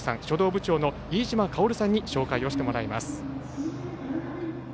書道部長の飯島郁さんに紹介してもらいます。